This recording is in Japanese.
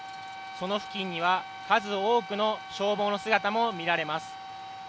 その付近には数多くの消防の姿も見られます。